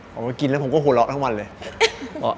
ผมก็กินแล้วผมก็โหลล็อกทั้งวันเลย